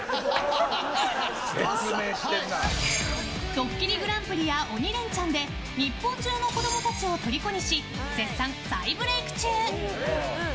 「ドッキリＧＰ」や「鬼レンチャン」で日本中の子供たちをとりこにし絶賛、再ブレーク中！